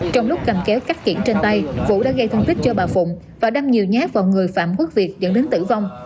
trong lúc cành kéo cách kiển trên tay vũ đã gây thương tích cho bà phụng và đâm nhiều nhát vào người phạm quốc việt dẫn đến tử vong